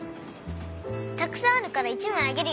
たくさんあるから１枚あげるよ。